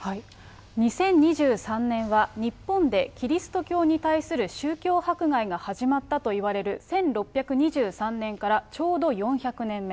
２０２３年は日本でキリスト教に対する宗教迫害が始まったといわれる１６２３年からちょうど４００年目。